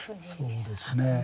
そうですね。